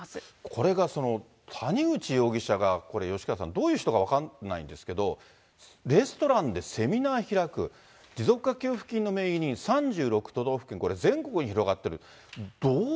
これが谷口容疑者がこれ吉川さん、どういう人が分からないんですけど、レストランでセミナー開く、持続化給付金の名義人３６都道府県、これ、全国に広がってる。